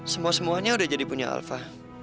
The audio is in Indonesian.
semua semuanya udah jadi punya alfa